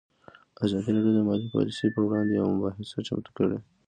ازادي راډیو د مالي پالیسي پر وړاندې یوه مباحثه چمتو کړې.